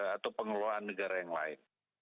atau pengelolaan negara yang lain